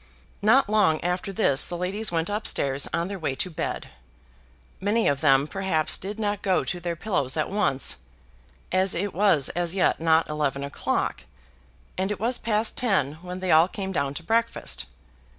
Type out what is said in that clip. Not long after this the ladies went up stairs on their way to bed. Many of them, perhaps, did not go to their pillows at once, as it was as yet not eleven o'clock, and it was past ten when they all came down to breakfast.